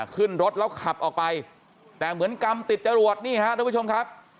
ขึ้นรถแล้วขับออกไปแต่เหมือนกรรมติดจรวดนี่ฮะทุกผู้ชมครับ